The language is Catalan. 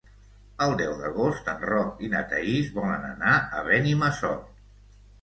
El deu d'agost en Roc i na Thaís volen anar a Benimassot.